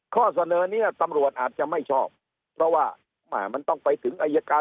ข้อเสนอนี้ตำรวจอาจจะไม่ชอบเพราะว่ามันต้องไปถึงอายการ